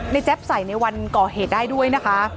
แจ๊บใส่ในวันก่อเหตุได้ด้วยนะคะ